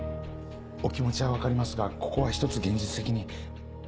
お気持ちは分かりますがここはひとつ現実的に。